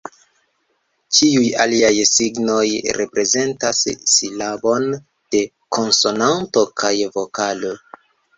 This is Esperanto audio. Ĉiuj aliaj signoj, reprezentas silabon de konsonanto kaj vokalo.